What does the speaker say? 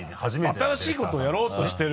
新しいことをやろうとしてる。